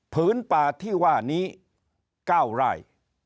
ผืนป่าที่ว่านี้๙ไร่